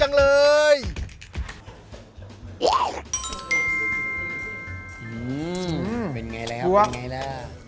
อื้อเป็นไงรหะครับกูว่า